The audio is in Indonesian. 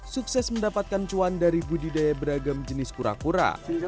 sukses mendapatkan cuan dari budidaya beragam jenis kura kura